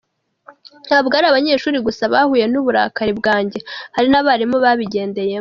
Ntabwo ari abanyeshuli gusa bahuye n’uburakari bwanjye hari n’abarimu babigendeyemo.